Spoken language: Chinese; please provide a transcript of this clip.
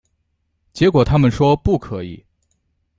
结果他们说不可以